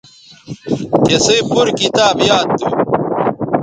تِسئ پور کتاب یاد تھو